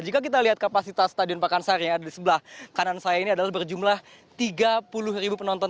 jika kita lihat kapasitas stadion pakansari yang ada di sebelah kanan saya ini adalah berjumlah tiga puluh ribu penonton